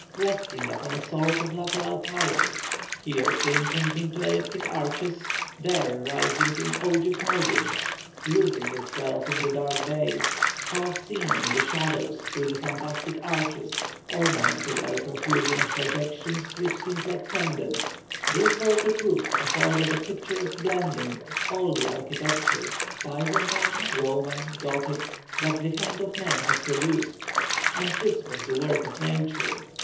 Resting upon a sort of lateral piers, here, sinking into elliptic arches, there, rising in ogive mouldings, losing itself in the dark bays, half seen in the shadow through the fantastic arches, ornamented by a profusion of projections which seemed like pendants, this vaulted roof afforded a picturesque blending of all the architectures—Byzantine, Roman, Gothic—that the hand of man has produced. And this was the work of nature!